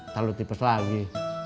kalau lu tipis lagi